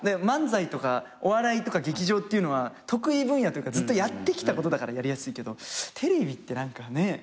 漫才とかお笑いとか劇場っていうのは得意分野というかずっとやってきたことだからやりやすいけどテレビって何かね。